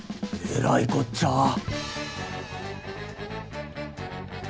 えらいこっちゃ。